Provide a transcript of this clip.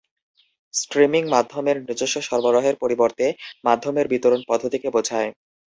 Streaming মাধ্যমের নিজস্ব সরবরাহের পরিবর্তে মাধ্যমের বিতরণ পদ্ধতিকে বোঝায়।